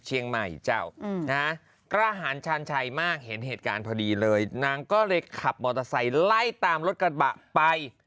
เชียงใหม่เจ้านะฮะกล้าหารชาญชัยมากเห็นเหตุการณ์พอดีเลยนางก็เลยขับมอเตอร์ไซค์ไล่ตามรถกระบะไป